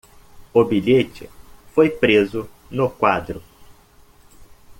O bilhete foi preso no quadro